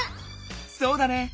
そうだね！